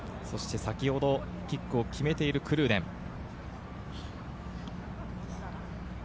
そして先ほどキックを決めているクルーデン。